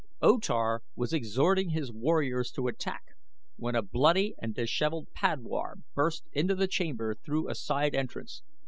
O Tar was exhorting his warriors to attack, when a bloody and disheveled padwar burst into the chamber through a side entrance.